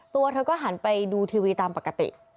ตัวเธอก็หันไปดูทีวีตามปกติ